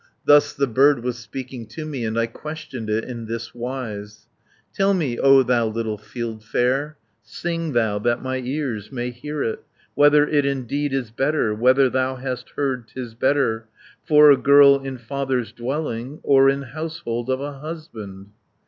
60 "Thus the bird was speaking to me, And I questioned it in this wise: 'Tell me O thou little fieldfare, Sing thou, that my ears may hear it, Whether it indeed is better, Whether thou hast heard 'tis better, For a girl in father's dwelling, Or in household of a husband?'